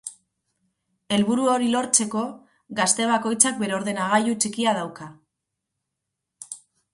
Helburu hori lortzeko, gazte bakoitzak bere ordenagailu txikia dauka.